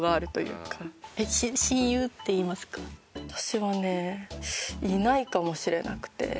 私はねいないかもしれなくて。